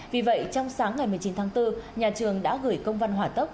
vì vậy trong sáng ngày một mươi chín tháng bốn nhà trường đã gửi công văn hỏa tốc